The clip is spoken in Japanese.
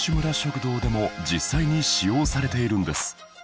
村食堂でも実際に使用されているんです